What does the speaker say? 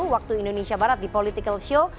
waktu indonesia barat di political show